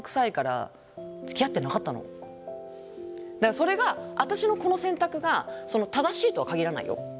だからそれが私のこの選択が正しいとは限らないよ。